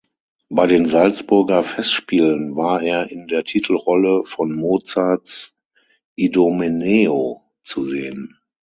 Bei den Salzburger Festspielen war er in der Titelrolle von Mozarts "Idomeneo" zu sehen.